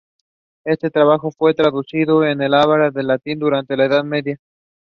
It is also the second highest mountain in the Netherlands.